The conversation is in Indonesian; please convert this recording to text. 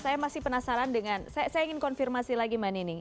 saya masih penasaran dengan saya ingin konfirmasi lagi manining